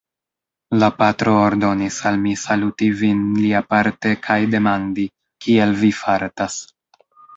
La patro ordonis al mi saluti vin liaparte kaj demandi, kiel vi fartas.